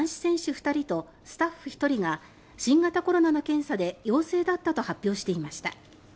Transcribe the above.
２人とスタッフ１人が新型コロナの検査で陽性だったと発表していました。